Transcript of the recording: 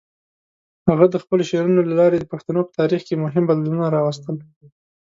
هغه د خپلو شعرونو له لارې د پښتنو په تاریخ کې مهم بدلونونه راوستل.